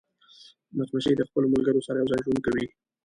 مچمچۍ د خپلو ملګرو سره یوځای ژوند کوي